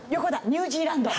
ニュージーランド。